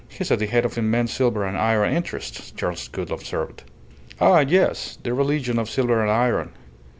"He's at the head of immense silver and iron interests," Charles Gould observed. "Ah, yes! The religion of silver and iron.